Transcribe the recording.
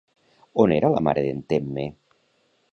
On era la mare d'en Temme?